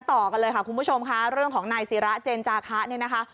ต่อกันเลยค่ะคุณผู้ชมค่ะเรื่องของนายศิระเจนจาคะเนี่ยนะคะ